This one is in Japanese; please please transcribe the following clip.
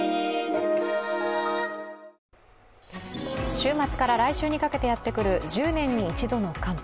週末から来週にかけてやってくる１０年に一度の寒波。